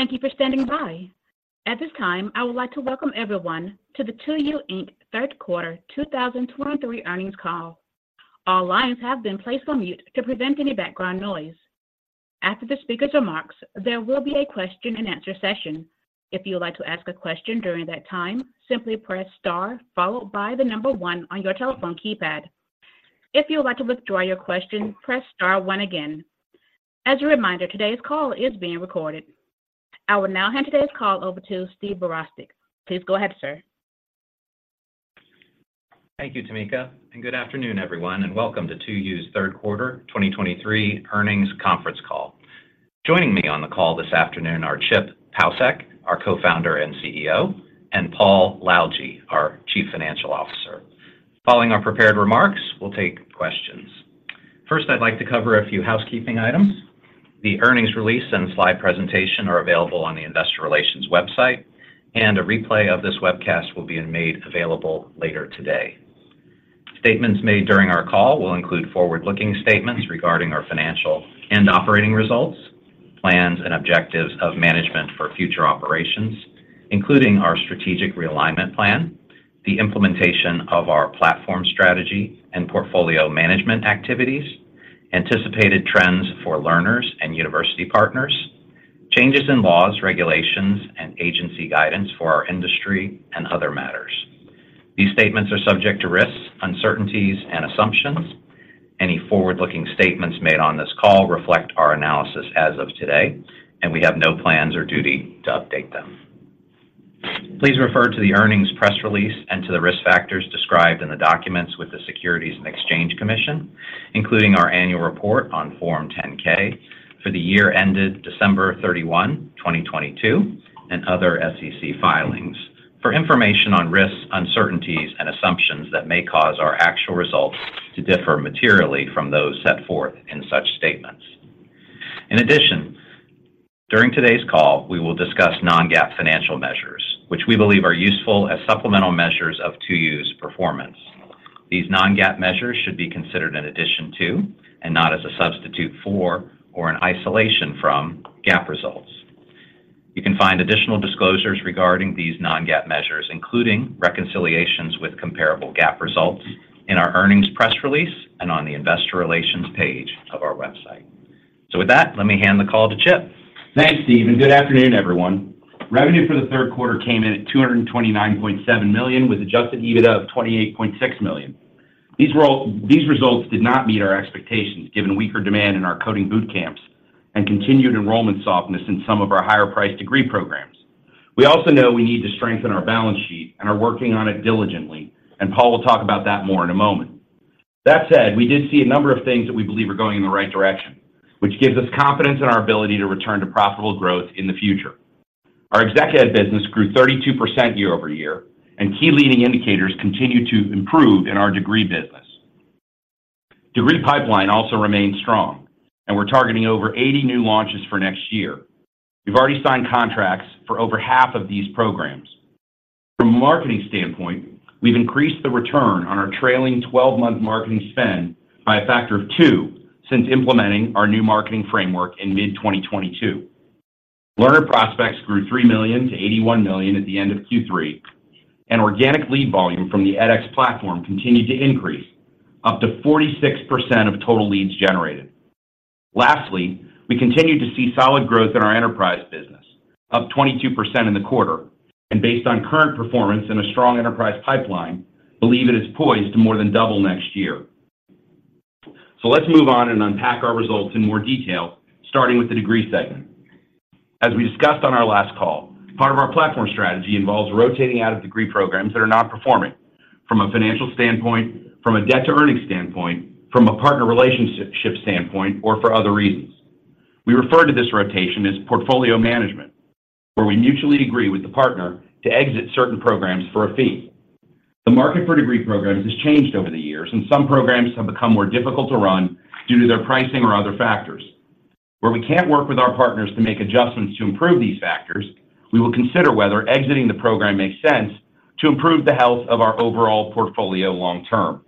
Thank you for standing by. At this time, I would like to welcome everyone to the 2U, Inc. Third Quarter 2023 earnings call. All lines have been placed on mute to prevent any background noise. After the speakers' remarks, there will be a question-and-answer session. If you would like to ask a question during that time, simply press star followed by the number one on your telephone keypad. If you would like to withdraw your question, press star one again. As a reminder, today's call is being recorded. I will now hand today's call over to Steve Virostek. Please go ahead, sir. Thank you, Tamika, and good afternoon, everyone, and welcome to 2U's third quarter 2023 earnings conference call. Joining me on the call this afternoon are Chip Paucek, our Co-founder and CEO, and Paul Lalljie, our Chief Financial Officer. Following our prepared remarks, we'll take questions. First, I'd like to cover a few housekeeping items. The earnings release and slide presentation are available on the investor relations website, and a replay of this webcast will be made available later today. Statements made during our call will include forward-looking statements regarding our financial and operating results, plans and objectives of management for future operations, including our strategic realignment plan, the implementation of our platform strategy and portfolio management activities, anticipated trends for learners and university partners, changes in laws, regulations, and agency guidance for our industry and other matters. These statements are subject to risks, uncertainties and assumptions. Any forward-looking statements made on this call reflect our analysis as of today, and we have no plans or duty to update them. Please refer to the earnings press release and to the risk factors described in the documents with the Securities and Exchange Commission, including our annual report on Form 10-K for the year ended December 31, 2022, and other SEC filings for information on risks, uncertainties, and assumptions that may cause our actual results to differ materially from those set forth in such statements. In addition, during today's call, we will discuss non-GAAP financial measures, which we believe are useful as supplemental measures of 2U's performance. These non-GAAP measures should be considered in addition to, and not as a substitute for or an isolation from, GAAP results. You can find additional disclosures regarding these non-GAAP measures, including reconciliations with comparable GAAP results in our earnings press release and on the investor relations page of our website. With that, let me hand the call to Chip. Thanks, Steve, and good afternoon, everyone. Revenue for the third quarter came in at $229.7 million, with adjusted EBITDA of $28.6 million. These results did not meet our expectations, given weaker demand in our coding boot camps and continued enrollment softness in some of our higher-priced degree programs. We also know we need to strengthen our balance sheet and are working on it diligently, and Paul will talk about that more in a moment. That said, we did see a number of things that we believe are going in the right direction, which gives us confidence in our ability to return to profitable growth in the future. Our ExecEd business grew 32% year-over-year, and key leading indicators continue to improve in our degree business. Degree pipeline also remains strong, and we're targeting over 80 new launches for next year. We've already signed contracts for over half of these programs. From a marketing standpoint, we've increased the return on our trailing twelve-month marketing spend by a factor of two since implementing our new marketing framework in mid-2022. Learner prospects grew 3 million to 81 million at the end of Q3, and organic lead volume from the edX platform continued to increase, up to 46% of total leads generated. Lastly, we continue to see solid growth in our enterprise business, up 22% in the quarter, and based on current performance and a strong enterprise pipeline, believe it is poised to more than double next year. Let's move on and unpack our results in more detail, starting with the degree segment. As we discussed on our last call, part of our platform strategy involves rotating out of degree programs that are not performing from a financial standpoint, from a debt to earnings standpoint, from a partner relationship standpoint, or for other reasons. We refer to this rotation as portfolio management, where we mutually agree with the partner to exit certain programs for a fee. The market for degree programs has changed over the years, and some programs have become more difficult to run due to their pricing or other factors. Where we can't work with our partners to make adjustments to improve these factors, we will consider whether exiting the program makes sense to improve the health of our overall portfolio long term.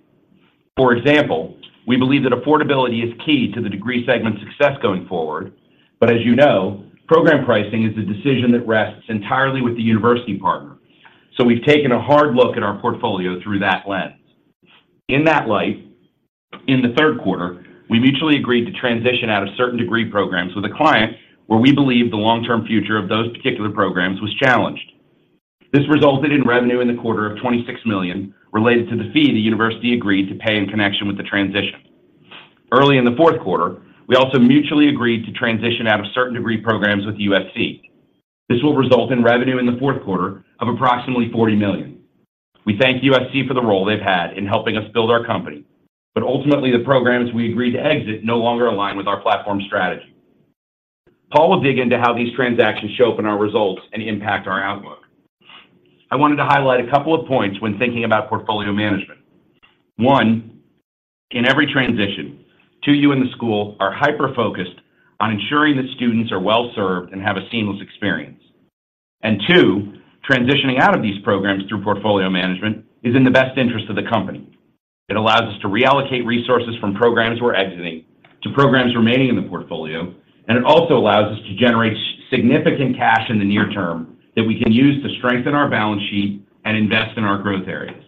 For example, we believe that affordability is key to the degree segment's success going forward, but as you know, program pricing is a decision that rests entirely with the university partner. So we've taken a hard look at our portfolio through that lens. In that light, in the third quarter, we mutually agreed to transition out of certain degree programs with a client where we believe the long-term future of those particular programs was challenged. This resulted in revenue in the quarter of $26 million related to the fee the university agreed to pay in connection with the transition. Early in the fourth quarter, we also mutually agreed to transition out of certain degree programs with USC. This will result in revenue in the fourth quarter of approximately $40 million. We thank USC for the role they've had in helping us build our company, but ultimately, the programs we agreed to exit no longer align with our platform strategy. Paul will dig into how these transactions show up in our results and impact our outlook. I wanted to highlight a couple of points when thinking about portfolio management. One, in every transition, 2U and the school are hyper-focused on ensuring that students are well-served and have a seamless experience.... And two, transitioning out of these programs through portfolio management is in the best interest of the company. It allows us to reallocate resources from programs we're exiting to programs remaining in the portfolio, and it also allows us to generate significant cash in the near term that we can use to strengthen our balance sheet and invest in our growth areas.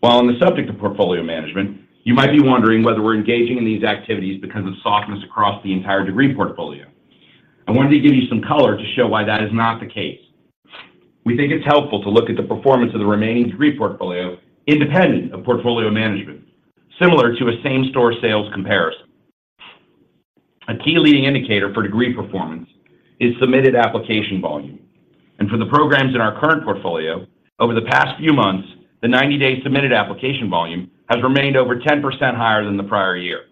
While on the subject of portfolio management, you might be wondering whether we're engaging in these activities because of softness across the entire degree portfolio. I wanted to give you some color to show why that is not the case. We think it's helpful to look at the performance of the remaining degree portfolio independent of portfolio management, similar to a same-store sales comparison. A key leading indicator for degree performance is submitted application volume, and for the programs in our current portfolio, over the past few months, the 90-day submitted application volume has remained over 10% higher than the prior year.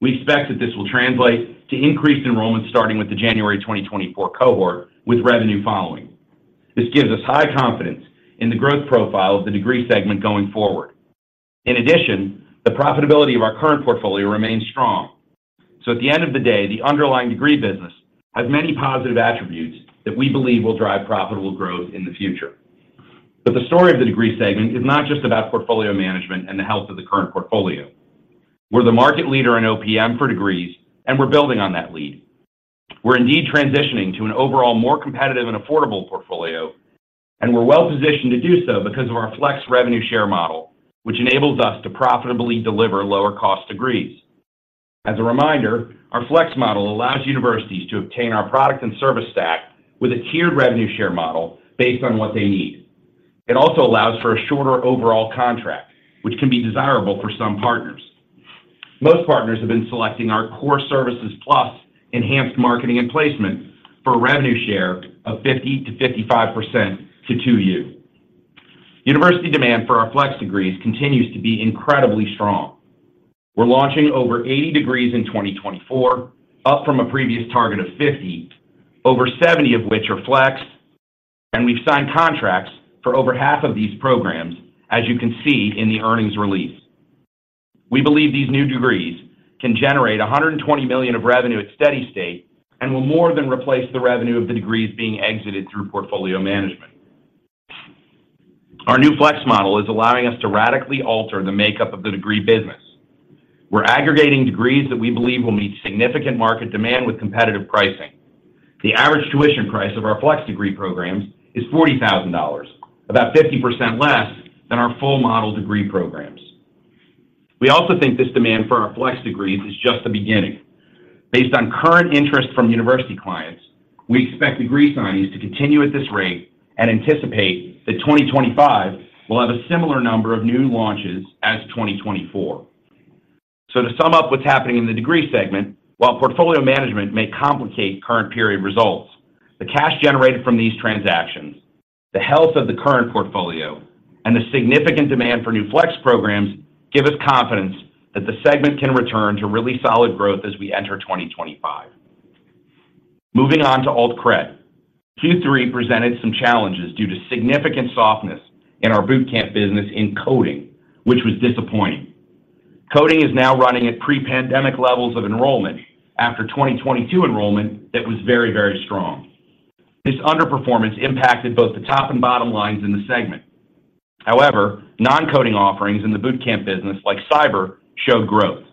We expect that this will translate to increased enrollment starting with the January 2024 cohort, with revenue following. This gives us high confidence in the growth profile of the degree segment going forward. In addition, the profitability of our current portfolio remains strong. At the end of the day, the underlying degree business has many positive attributes that we believe will drive profitable growth in the future. The story of the degree segment is not just about portfolio management and the health of the current portfolio. We're the market leader in OPM for degrees, and we're building on that lead. We're indeed transitioning to an overall more competitive and affordable portfolio, and we're well-positioned to do so because of our flex revenue share model, which enables us to profitably deliver lower-cost degrees. As a reminder, our flex model allows universities to obtain our product and service stack with a tiered revenue share model based on what they need. It also allows for a shorter overall contract, which can be desirable for some partners. Most partners have been selecting our core services, plus enhanced marketing and placement for a revenue share of 50%-55% to 2U. University demand for our flex degrees continues to be incredibly strong. We're launching over 80 degrees in 2024, up from a previous target of 50, over 70 of which are flex, and we've signed contracts for over half of these programs, as you can see in the earnings release. We believe these new degrees can generate $120 million of revenue at steady state and will more than replace the revenue of the degrees being exited through portfolio management. Our new flex model is allowing us to radically alter the makeup of the degree business. We're aggregating degrees that we believe will meet significant market demand with competitive pricing. The average tuition price of our flex degree programs is $40,000, about 50% less than our full model degree programs. We also think this demand for our flex degrees is just the beginning. Based on current interest from university clients, we expect degree signings to continue at this rate and anticipate that 2025 will have a similar number of new launches as 2024. So to sum up what's happening in the degree segment, while portfolio management may complicate current period results, the cash generated from these transactions, the health of the current portfolio, and the significant demand for new flex programs give us confidence that the segment can return to really solid growth as we enter 2025. Moving on to AltCred. Q3 presented some challenges due to significant softness in our boot camp business in coding, which was disappointing. Coding is now running at pre-pandemic levels of enrollment after 2022 enrollment that was very, very strong. This underperformance impacted both the top and bottom lines in the segment. However, non-coding offerings in the boot camp business, like cyber, showed growth.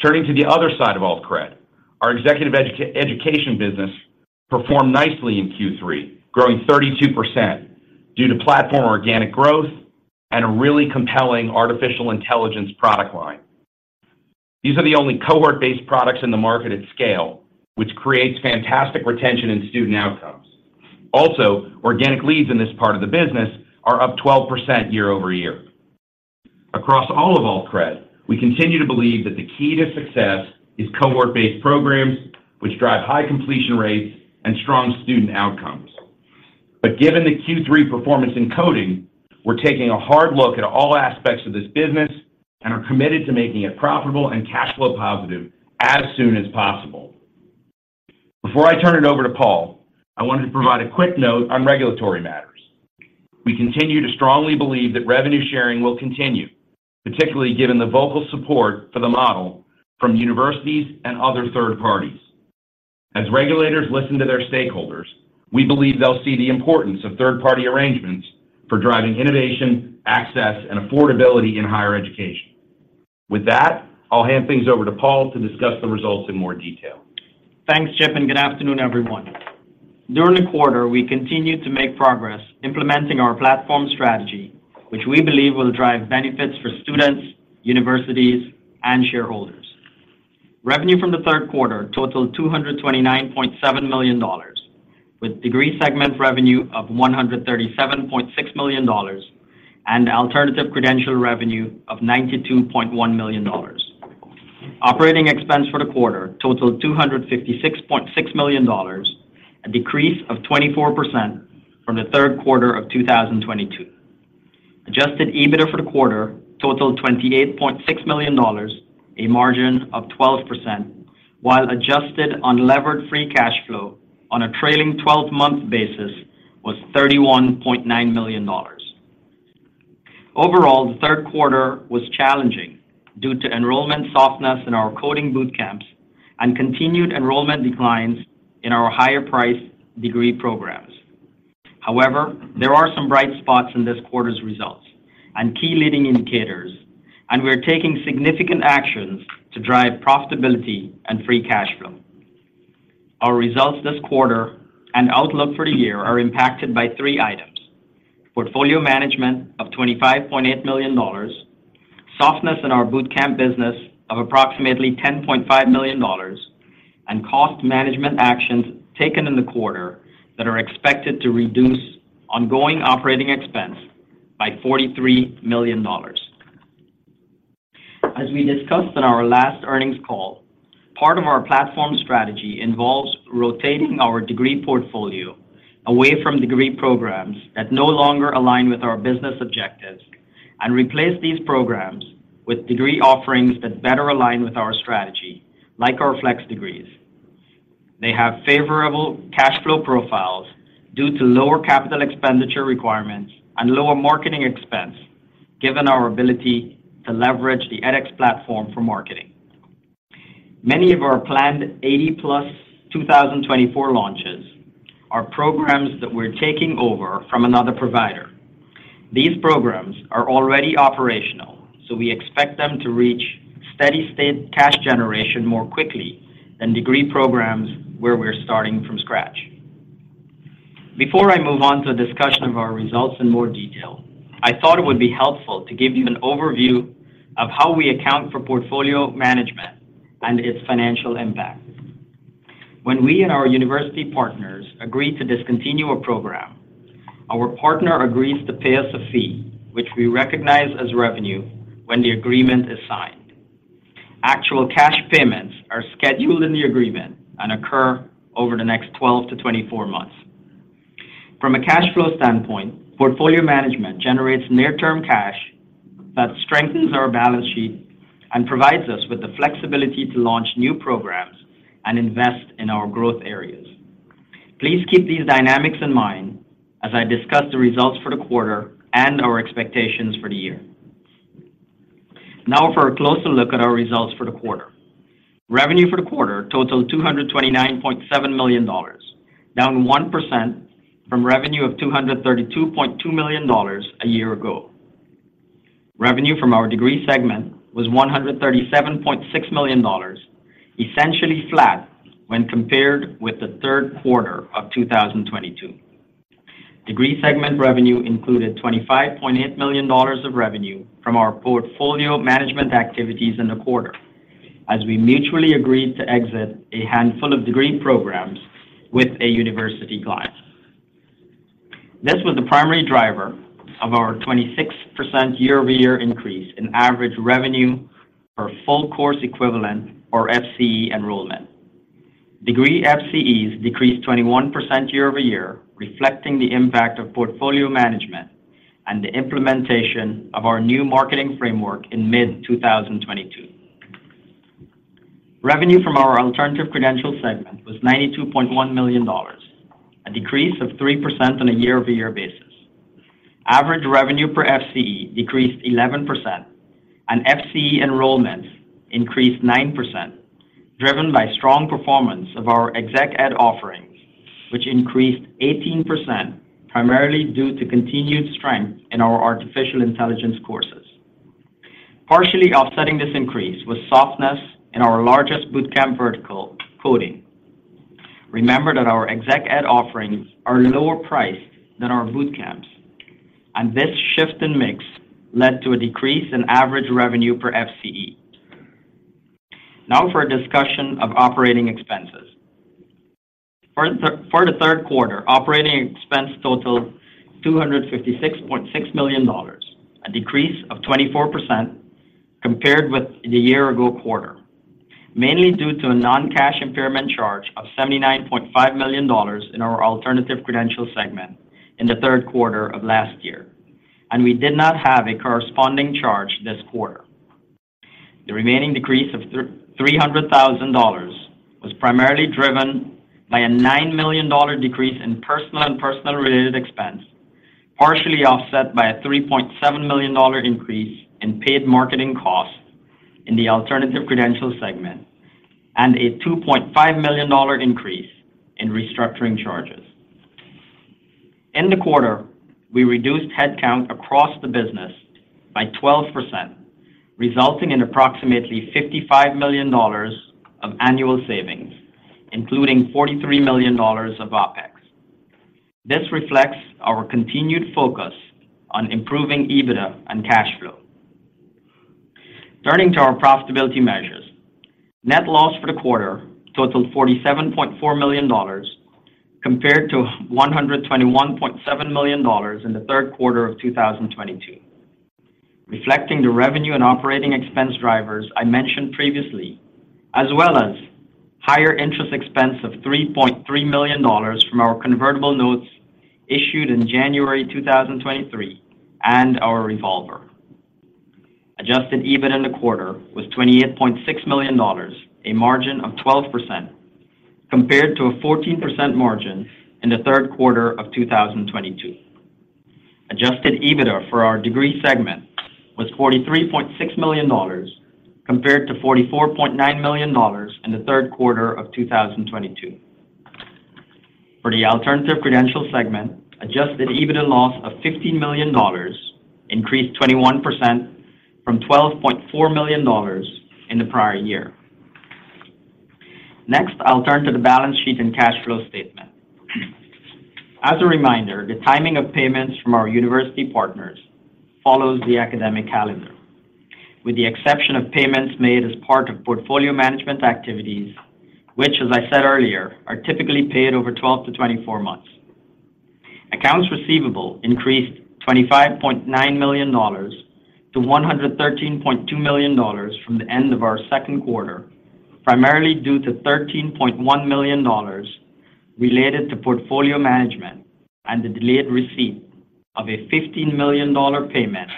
Turning to the other side of AltCred, our executive education business performed nicely in Q3, growing 32% due to platform organic growth and a really compelling artificial intelligence product line. These are the only cohort-based products in the market at scale, which creates fantastic retention and student outcomes. Also, organic leads in this part of the business are up 12% year-over-year. Across all of AltCred, we continue to believe that the key to success is cohort-based programs, which drive high completion rates and strong student outcomes. But given the Q3 performance in coding, we're taking a hard look at all aspects of this business and are committed to making it profitable and cash flow positive as soon as possible. Before I turn it over to Paul, I wanted to provide a quick note on regulatory matters. We continue to strongly believe that revenue sharing will continue, particularly given the vocal support for the model from universities and other third parties. As regulators listen to their stakeholders, we believe they'll see the importance of third-party arrangements for driving innovation, access, and affordability in higher education. With that, I'll hand things over to Paul to discuss the results in more detail. Thanks, Chip, and good afternoon, everyone. During the quarter, we continued to make progress implementing our platform strategy, which we believe will drive benefits for students, universities, and shareholders. Revenue from the third quarter totaled $229.7 million, with degree segment revenue of $137.6 million and alternative credential revenue of $92.1 million. Operating expense for the quarter totaled $256.6 million, a decrease of 24% from the third quarter of 2022. Adjusted EBITDA for the quarter totaled $28.6 million, a margin of 12%, while adjusted unlevered free cash flow on a trailing 12-month basis was $31.9 million.... Overall, the third quarter was challenging due to enrollment softness in our coding boot camps and continued enrollment declines in our higher price degree programs. However, there are some bright spots in this quarter's results and key leading indicators, and we are taking significant actions to drive profitability and free cash flow. Our results this quarter and outlook for the year are impacted by three items: portfolio management of $25.8 million, softness in our boot camp business of approximately $10.5 million, and cost management actions taken in the quarter that are expected to reduce ongoing operating expense by $43 million. As we discussed on our last earnings call, part of our platform strategy involves rotating our degree portfolio away from degree programs that no longer align with our business objectives and replace these programs with degree offerings that better align with our strategy, like our flex degrees. They have favorable cash flow profiles due to lower capital expenditure requirements and lower marketing expense, given our ability to leverage the edX platform for marketing. Many of our planned 80+, 2024 launches are programs that we're taking over from another provider. These programs are already operational, so we expect them to reach steady state cash generation more quickly than degree programs where we're starting from scratch. Before I move on to a discussion of our results in more detail, I thought it would be helpful to give you an overview of how we account for portfolio management and its financial impact. When we and our university partners agree to discontinue a program, our partner agrees to pay us a fee, which we recognize as revenue when the agreement is signed. Actual cash payments are scheduled in the agreement and occur over the next 12-24 months. From a cash flow standpoint, portfolio management generates near-term cash that strengthens our balance sheet and provides us with the flexibility to launch new programs and invest in our growth areas. Please keep these dynamics in mind as I discuss the results for the quarter and our expectations for the year. Now for a closer look at our results for the quarter. Revenue for the quarter totaled $229.7 million, down 1% from revenue of $232.2 million a year ago. Revenue from our degree segment was $137.6 million, essentially flat when compared with the third quarter of 2022. Degree segment revenue included $25.8 million of revenue from our portfolio management activities in the quarter, as we mutually agreed to exit a handful of degree programs with a university client. This was the primary driver of our 26% year-over-year increase in average revenue per Full Course Equivalent or FCE enrollment. Degree FCEs decreased 21% year-over-year, reflecting the impact of portfolio management and the implementation of our new marketing framework in mid-2022. Revenue from our alternative credential segment was $92.1 million, a decrease of 3% on a year-over-year basis. Average revenue per FCE decreased 11%, and FCE enrollments increased 9%, driven by strong performance of our ExecEd offerings, which increased 18%, primarily due to continued strength in our artificial intelligence courses. Partially offsetting this increase was softness in our largest boot camp vertical, coding. Remember that our ExecEd offerings are lower priced than our boot camps, and this shift in mix led to a decrease in average revenue per FCE. Now for a discussion of operating expenses. For the third quarter, operating expense totaled $256.6 million, a decrease of 24% compared with the year-ago quarter, mainly due to a non-cash impairment charge of $79.5 million in our alternative credential segment in the third quarter of last year, and we did not have a corresponding charge this quarter. The remaining decrease of $300,000 was primarily driven by a $9 million decrease in personnel and personnel-related expense, partially offset by a $3.7 million increase in paid marketing costs in the alternative credential segment and a $2.5 million increase in restructuring charges. In the quarter, we reduced headcount across the business by 12%, resulting in approximately $55 million of annual savings, including $43 million of OpEx. This reflects our continued focus on improving EBITDA and cash flow. Turning to our profitability measures. Net loss for the quarter totaled $47.4 million, compared to $121.7 million in the third quarter of 2022, reflecting the revenue and operating expense drivers I mentioned previously, as well as higher interest expense of $3.3 million from our convertible notes issued in January 2023 and our revolver. Adjusted EBITDA in the quarter was $28.6 million, a margin of 12%, compared to a 14% margin in the third quarter of 2022. Adjusted EBITDA for our degree segment was $43.6 million, compared to $44.9 million in the third quarter of 2022. For the alternative credential segment, adjusted EBITDA loss of $15 million increased 21% from $12.4 million in the prior year. Next, I'll turn to the balance sheet and cash flow statement. As a reminder, the timing of payments from our university partners follows the academic calendar, with the exception of payments made as part of portfolio management activities, which, as I said earlier, are typically paid over 12-24 months. Accounts receivable increased $25.9 million to $113.2 million from the end of our second quarter, primarily due to $13.1 million related to portfolio management and the delayed receipt of a $15 million payment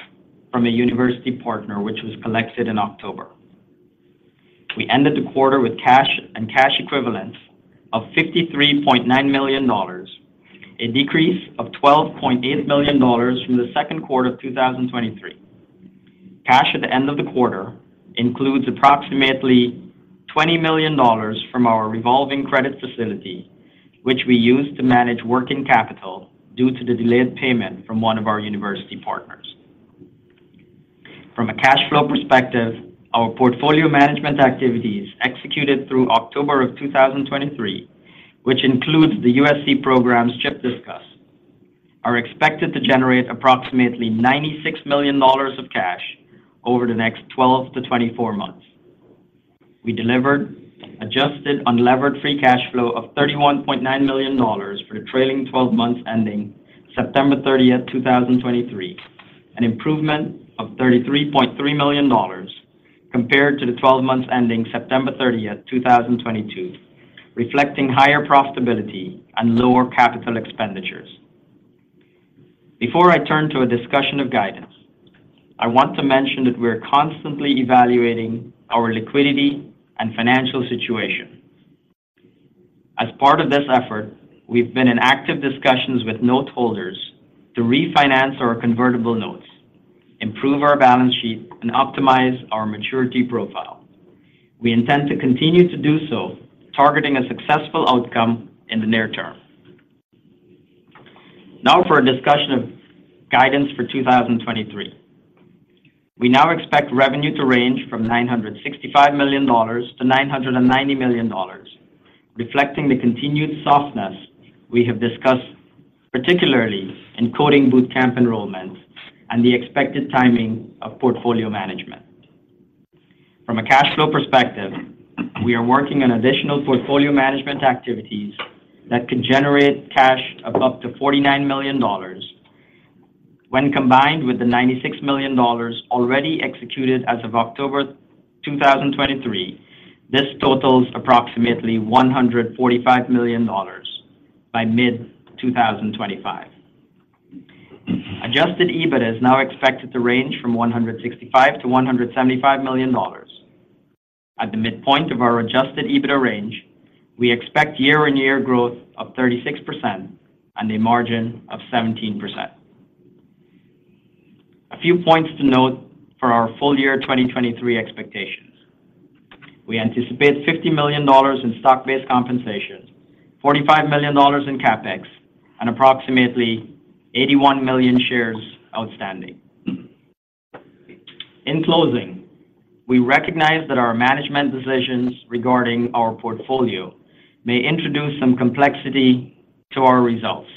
from a university partner, which was collected in October. We ended the quarter with cash and cash equivalents of $53.9 million, a decrease of $12.8 million from the second quarter of 2023. Cash at the end of the quarter includes approximately $20 million from our revolving credit facility, which we use to manage working capital due to the delayed payment from one of our university partners. From a cash flow perspective, our portfolio management activities executed through October 2023, which includes the USC program Chip discussed, are expected to generate approximately $96 million of cash over the next 12 to 24 months. We delivered adjusted unlevered free cash flow of $31.9 million for the trailing 12 months ending September 30th, 2023, an improvement of $33.3 million compared to the 12 months ending September 30th, 2022, reflecting higher profitability and lower capital expenditures. Before I turn to a discussion of guidance, I want to mention that we are constantly evaluating our liquidity and financial situation. As part of this effort, we've been in active discussions with noteholders to refinance our convertible notes, improve our balance sheet, and optimize our maturity profile. We intend to continue to do so, targeting a successful outcome in the near term. Now for a discussion of guidance for 2023. We now expect revenue to range from $965 million-$990 million, reflecting the continued softness we have discussed, particularly in coding boot camp enrollment and the expected timing of portfolio management. From a cash flow perspective, we are working on additional portfolio management activities that could generate cash of up to $49 million. When combined with the $96 million already executed as of October 2023, this totals approximately $145 million by mid-2025. Adjusted EBITDA is now expected to range from $165 million-$175 million. At the midpoint of our adjusted EBITDA range, we expect year-on-year growth of 36% and a margin of 17%. A few points to note for our full year 2023 expectations. We anticipate $50 million in stock-based compensation, $45 million in CapEx, and approximately 81 million shares outstanding. In closing, we recognize that our management decisions regarding our portfolio may introduce some complexity to our results.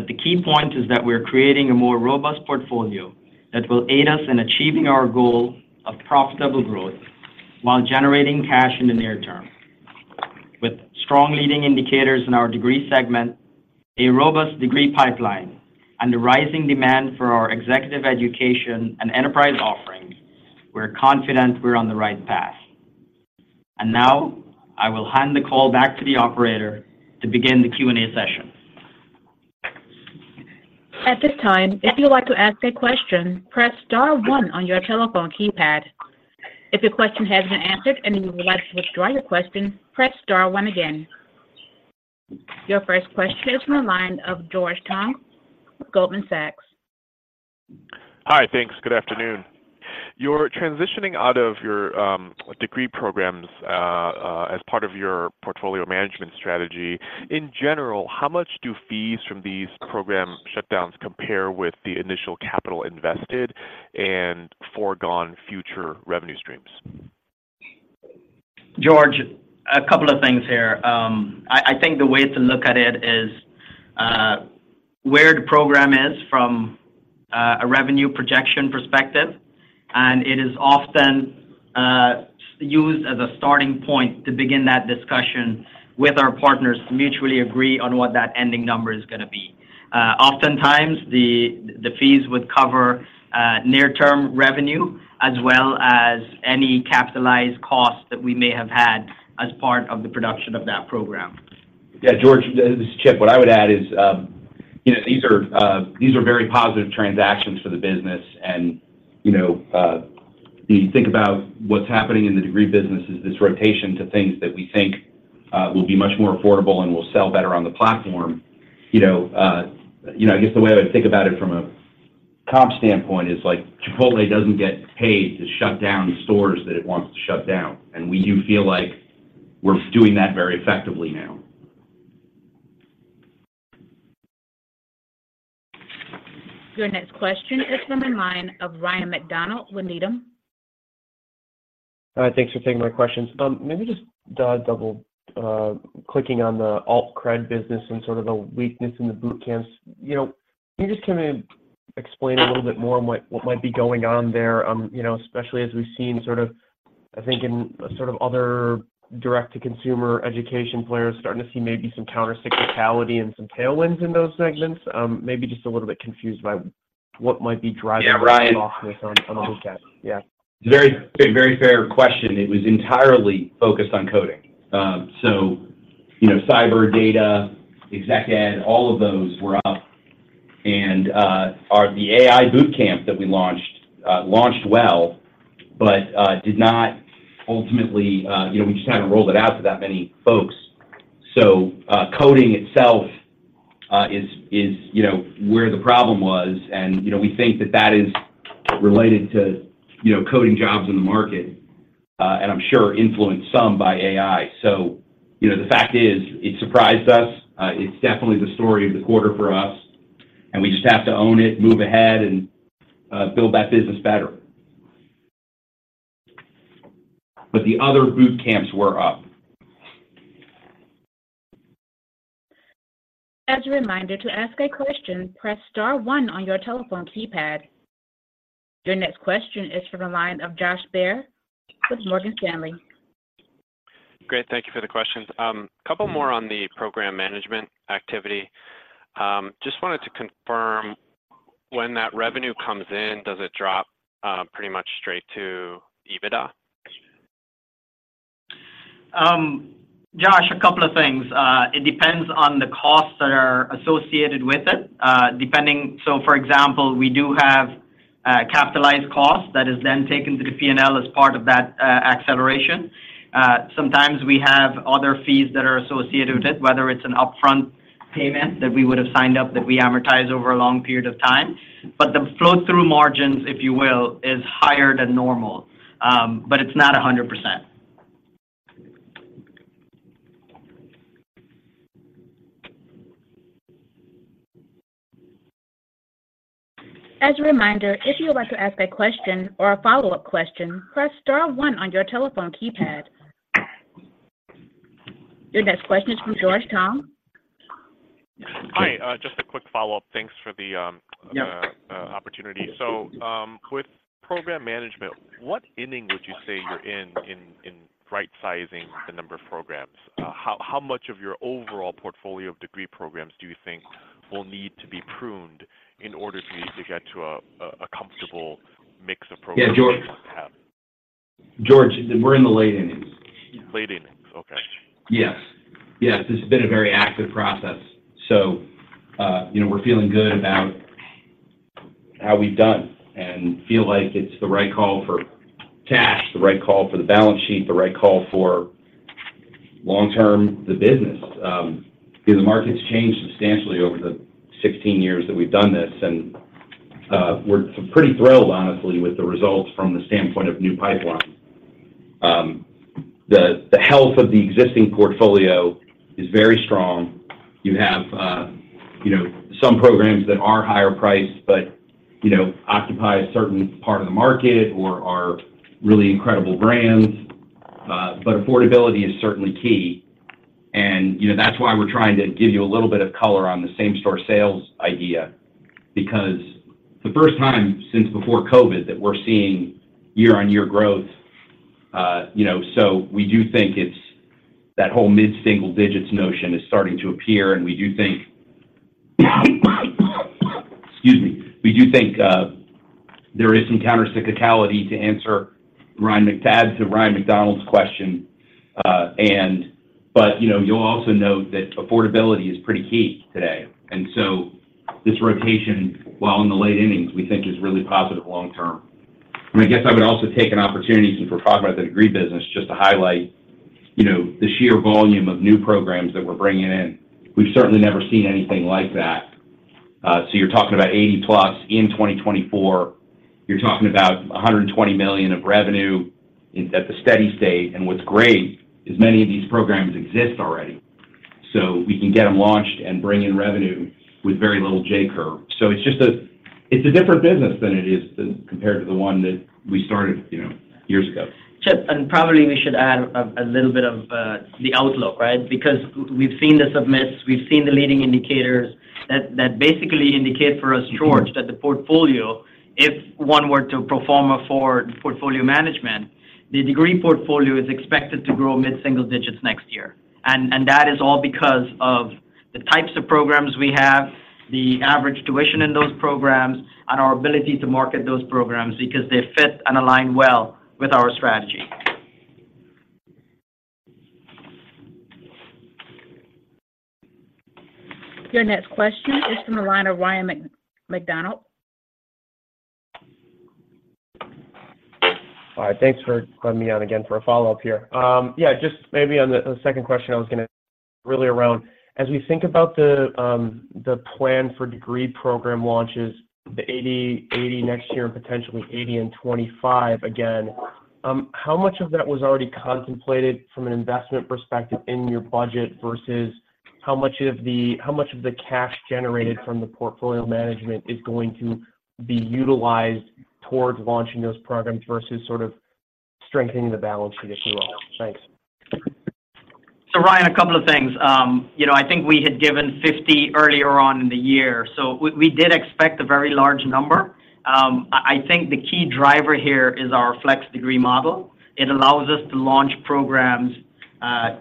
But the key point is that we are creating a more robust portfolio that will aid us in achieving our goal of profitable growth while generating cash in the near term. With strong leading indicators in our degree segment, a robust degree pipeline, and the rising demand for our executive education and enterprise offerings, we're confident we're on the right path. Now, I will hand the call back to the operator to begin the Q&A session. At this time, if you'd like to ask a question, press star one on your telephone keypad. If your question has been answered and you would like to withdraw your question, press star one again. Your first question is from the line of George Tong, Goldman Sachs. Hi. Thanks. Good afternoon. You're transitioning out of your degree programs as part of your portfolio management strategy. In general, how much do fees from these program shutdowns compare with the initial capital invested and foregone future revenue streams? George, a couple of things here. I, I think the way to look at it is where the program is from a revenue projection perspective, and it is often used as a starting point to begin that discussion with our partners to mutually agree on what that ending number is gonna be. Oftentimes, the fees would cover near-term revenue, as well as any capitalized costs that we may have had as part of the production of that program.... Yeah, George, this is Chip. What I would add is, you know, these are very positive transactions for the business. And, you know, you think about what's happening in the degree business is this rotation to things that we think will be much more affordable and will sell better on the platform. You know, you know, I guess the way I would think about it from a comp standpoint is, like, Chipotle doesn't get paid to shut down the stores that it wants to shut down, and we do feel like we're doing that very effectively now. Your next question is from the line of Ryan MacDonald, Needham. Thanks for taking my questions. Maybe just double clicking on the AltCred business and sort of the weakness in the boot camps. You know, can you just kinda explain a little bit more on what might be going on there? You know, especially as we've seen sort of, I think, in sort of other direct-to-consumer education players, starting to see maybe some counter cyclicality and some tailwinds in those segments. Maybe just a little bit confused by what might be driving- Yeah, Ryan- on boot camps. Yeah. Very, very fair question. It was entirely focused on coding. So, you know, cyber data, ExecEd, all of those were up, and, our, the AI boot camp that we launched launched well, but, did not ultimately, you know, we just haven't rolled it out to that many folks. So, coding itself is, you know, where the problem was, and, you know, we think that that is related to, you know, coding jobs in the market, and I'm sure influenced some by AI. So, you know, the fact is, it surprised us. It's definitely the story of the quarter for us, and we just have to own it, move ahead, and, build that business better. But the other boot camps were up. As a reminder, to ask a question, press star one on your telephone keypad. Your next question is from the line of Josh Baer with Morgan Stanley. Great, thank you for the questions. Couple more on the program management activity. Just wanted to confirm, when that revenue comes in, does it drop pretty much straight to EBITDA? Josh, a couple of things. It depends on the costs that are associated with it. So, for example, we do have capitalized costs that is then taken to the P&L as part of that acceleration. Sometimes we have other fees that are associated with it, whether it's an upfront payment that we would have signed up, that we amortize over a long period of time. But the flow-through margins, if you will, is higher than normal, but it's not 100%. As a reminder, if you would like to ask a question or a follow-up question, press star one on your telephone keypad. Your next question is from George Tong. Hi, just a quick follow-up. Thanks for the, Yeah. opportunity. So, with program management, what inning would you say you're in in right-sizing the number of programs? How much of your overall portfolio of degree programs do you think will need to be pruned in order for you to get to a comfortable mix of programs? Yeah, George. George, we're in the late innings. Late innings. Okay. Yes. Yes, it's been a very active process. So, you know, we're feeling good about how we've done and feel like it's the right call for cash, the right call for the balance sheet, the right call for long-term, the business. Because the market's changed substantially over the 16 years that we've done this, and, we're pretty thrilled, honestly, with the results from the standpoint of new pipeline. The, the health of the existing portfolio is very strong. You have, you know, some programs that are higher priced, but, you know, occupy a certain part of the market or are really incredible brands. But affordability is certainly key, and, you know, that's why we're trying to give you a little bit of color on the same store sales idea, because the first time since before COVID that we're seeing year-on-year growth, you know, so we do think it's that whole mid-single digits notion is starting to appear, and we do think, excuse me, we do think there is some counter cyclicality, to answer Ryan MacDonald question. But, you know, you'll also note that affordability is pretty key today, and so this rotation, while in the late innings, we think is really positive long term. And I guess I would also take an opportunity, since we're talking about the degree business, just to highlight, you know, the sheer volume of new programs that we're bringing in. We've certainly never seen anything like that. So you're talking about 80+ in 2024. You're talking about $120 million of revenue at the steady state, and what's great is many of these programs exist already, so we can get them launched and bring in revenue with very little J curve. So it's just a. It's a different business than it is than compared to the one that we started, you know, years ago. Chip, and probably we should add a little bit of the outlook, right? Because we've seen the submits, we've seen the leading indicators that basically indicate for us, George, that the portfolio, if one were to pro forma for portfolio management, the degree portfolio is expected to grow mid-single digits next year. And that is all because of the types of programs we have, the average tuition in those programs, and our ability to market those programs because they fit and align well with our strategy. Your next question is from the line of Ryan MacDonald. All right, thanks for letting me on again for a follow-up here. Yeah, just maybe on the second question, really around, as we think about the plan for degree program launches, the 80, 80 next year and potentially 80 and 2025 again, how much of that was already contemplated from an investment perspective in your budget, versus how much of the cash generated from the portfolio management is going to be utilized towards launching those programs versus sort of strengthening the balance sheet as well? Thanks. So Ryan, a couple of things. You know, I think we had given $50 earlier on in the year, so we did expect a very large number. I think the key driver here is our flex degree model. It allows us to launch programs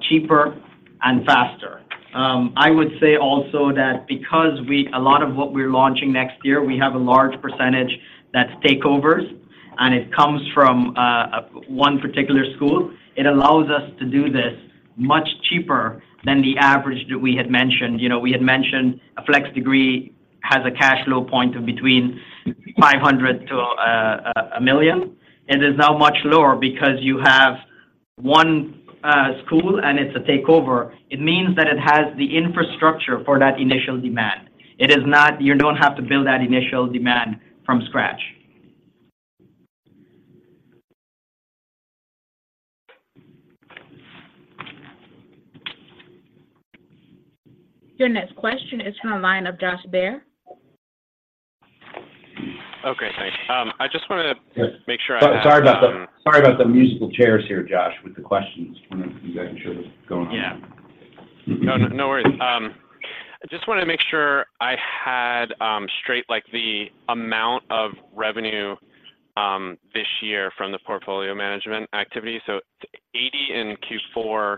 cheaper and faster. I would say also that because a lot of what we're launching next year, we have a large percentage that's takeovers, and it comes from one particular school. It allows us to do this much cheaper than the average that we had mentioned. You know, we had mentioned a flex Degree has a cash flow point of between $500-$1 million. It is now much lower because you have one school, and it's a takeover. It means that it has the infrastructure for that initial demand. It is not... You don't have to build that initial demand from scratch. Your next question is from the line of Josh Baer. Okay, thanks. I just wanted to make sure I- Sorry about the musical chairs here, Josh, with the questions. I'm not sure what's going on. Yeah. No, no worries. I just wanted to make sure I had straight, like, the amount of revenue this year from the portfolio management activity. So $80 million in Q4,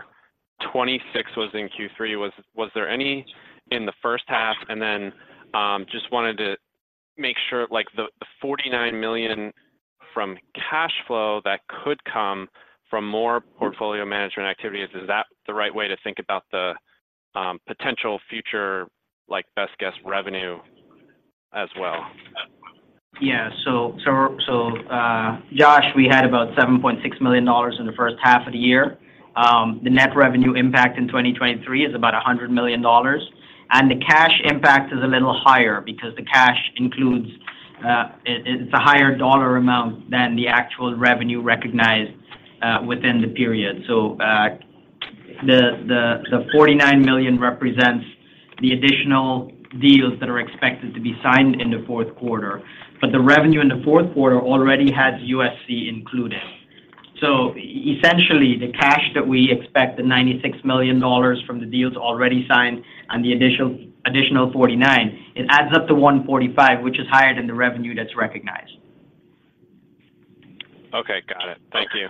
$26 million was in Q3. Was there any in the first half? And then just wanted to make sure, like, the $49 million from cash flow that could come from more portfolio management activities, is that the right way to think about the potential future, like, best guess revenue as well? Yeah. So, Josh, we had about $7.6 million in the first half of the year. The net revenue impact in 2023 is about $100 million, and the cash impact is a little higher because the cash includes, it's a higher dollar amount than the actual revenue recognized within the period. So, the $49 million represents the additional deals that are expected to be signed in the fourth quarter, but the revenue in the fourth quarter already has USC included. So essentially, the cash that we expect, the $96 million from the deals already signed and the additional $49 million, it adds up to $145 million, which is higher than the revenue that's recognized. Okay, got it. Thank you.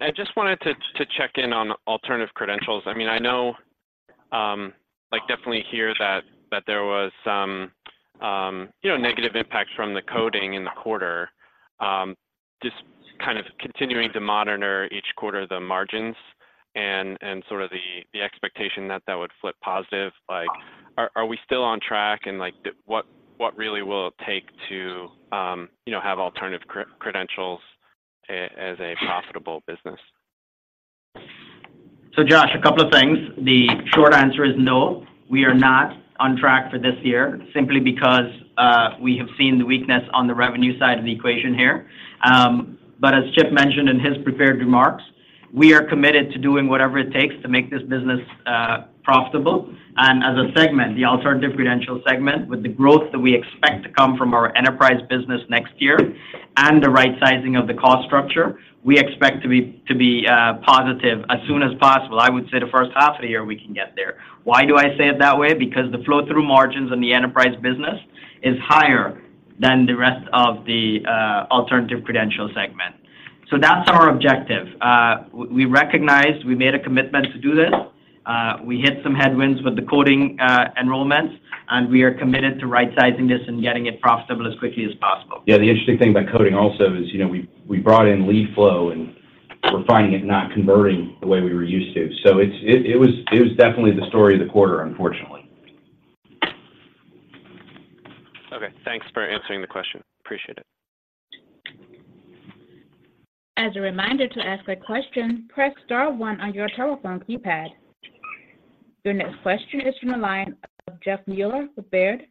I just wanted to check in on alternative credentials. I mean, I know, like, definitely hear that there was some, you know, negative impact from the coding in the quarter. Just kind of continuing to monitor each quarter, the margins and sort of the expectation that that would flip positive, like, are we still on track? And, like, what really will it take to, you know, have alternative credentials as a profitable business? So Josh, a couple of things. The short answer is no, we are not on track for this year simply because we have seen the weakness on the revenue side of the equation here. But as Chip mentioned in his prepared remarks, we are committed to doing whatever it takes to make this business profitable. And as a segment, the alternative credential segment, with the growth that we expect to come from our enterprise business next year and the right sizing of the cost structure, we expect to be, to be, positive as soon as possible. I would say the first half of the year, we can get there. Why do I say it that way? Because the flow-through margins in the enterprise business is higher than the rest of the alternative credential segment. So that's our objective. We recognized, we made a commitment to do this. We hit some headwinds with the coding enrollments, and we are committed to right-sizing this and getting it profitable as quickly as possible. Yeah, the interesting thing about coding also is, you know, we brought in lead flow, and we're finding it not converting the way we were used to. So it was definitely the story of the quarter, unfortunately. Okay. Thanks for answering the question. Appreciate it. As a reminder, to ask a question, press star one on your telephone keypad. Your next question is from the line of Jeff Meuler with Baird.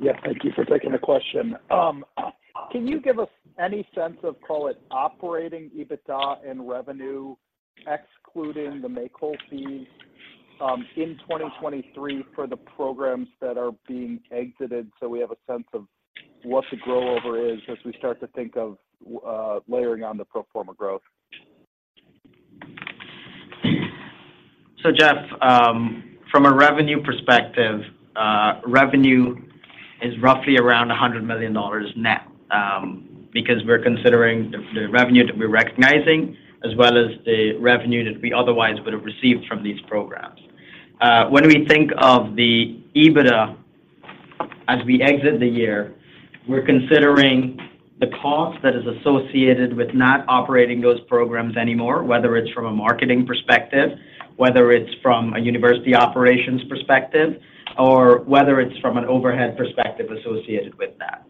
Yes. Thank you for taking the question. Can you give us any sense of, call it, operating EBITDA and revenue, excluding the make-whole fees, in 2023 for the programs that are being exited, so we have a sense of what the grow-over is as we start to think of layering on the pro forma growth? So Jeff, from a revenue perspective, revenue is roughly around $100 million net, because we're considering the, the revenue that we're recognizing, as well as the revenue that we otherwise would have received from these programs. When we think of the EBITDA as we exit the year, we're considering the cost that is associated with not operating those programs anymore, whether it's from a marketing perspective, whether it's from a university operations perspective, or whether it's from an overhead perspective associated with that.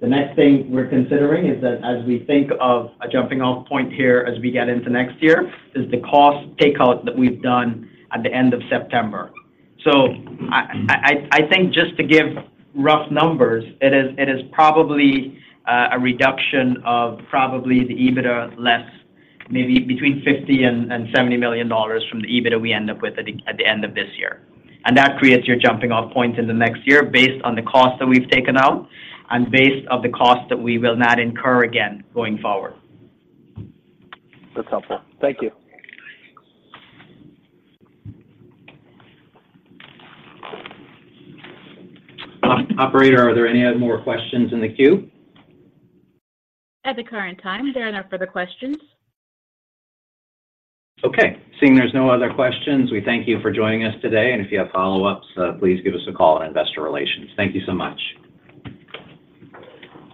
The next thing we're considering is that as we think of a jumping off point here as we get into next year, is the cost takeout that we've done at the end of September. So I think just to give rough numbers, it is probably a reduction of probably the EBITDA less maybe between $50-$70 million from the EBITDA we end up with at the end of this year. That creates your jumping off point in the next year, based on the cost that we've taken out and based on the cost that we will not incur again going forward. That's helpful. Thank you. Operator, are there any more questions in the queue? At the current time, there are no further questions. Okay, seeing there's no other questions, we thank you for joining us today, and if you have follow-ups, please give us a call in investor relations. Thank you so much.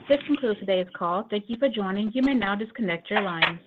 This concludes today's call. Thank you for joining. You may now disconnect your lines.